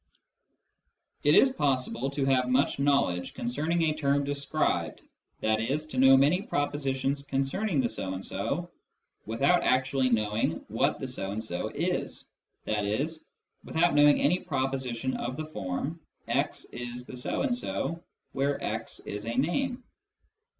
It is possible to have much knowledge concerning a term described, i.e. to know many propositions concerning " the so and so," without actually knowing what the so and so is, i.e. without knowing any proposition of the form " x is the so and so," where " x " is a name.